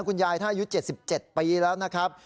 คุณยายท่านอายุ๗๗ปีแล้วนะครับ